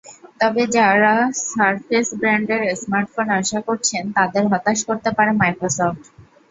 তবে যাঁরা সারফেস ব্র্যান্ডের স্মার্টফোন আশা করছেন তাঁদের হতাশ করতে পারে মাইক্রোসফট।